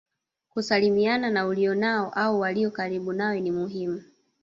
Kusalimiana na ulionao au walio karibu nawe ni muhimu